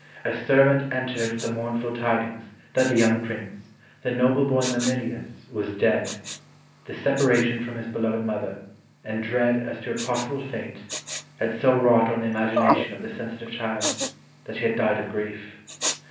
A servant entered with the mournful tidings that the young Prince, the noble boy Mamillius, was dead. The separation from his beloved mother, and dread as to her possible fate, had so wrought on the imagination of the sensitive child that he had died of grief.